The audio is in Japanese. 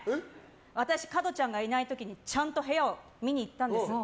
私、加トちゃんがいない時にちゃんと部屋を見にいったんです。